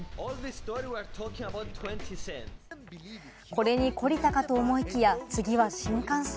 これに懲りたかと思いきや、次は新幹線。